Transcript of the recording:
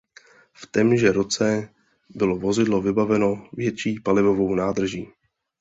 V témže roce bylo vozidlo vybaveno větší palivovou nádrží.